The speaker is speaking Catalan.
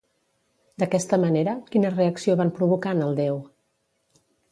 D'aquesta manera, quina reacció van provocar en el déu?